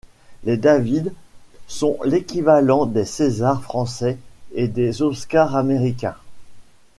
Les Davids sont l'équivalent des César français et des Oscars américains.